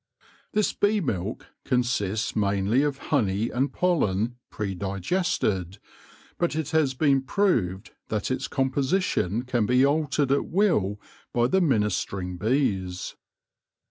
This bee milk consists mainly of honey and pollen pre digested, but it has been proved that its composition can be altered at will by the ministering bees.